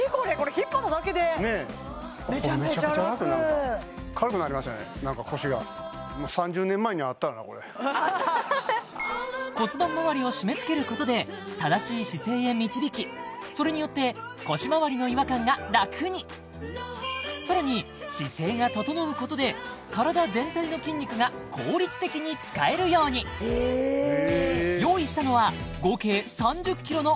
引っ張っただけでねえ何か腰が骨盤まわりを締めつけることで正しい姿勢へ導きそれによって腰回りの違和感が楽にさらに姿勢が整うことで体全体の筋肉が効率的に使えるように用意したのは合計